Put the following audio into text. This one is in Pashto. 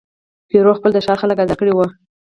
پیرو خپل د ښار خلک آزار کړي وه.